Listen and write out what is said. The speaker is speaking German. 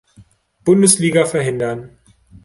Bundesliga verhindern.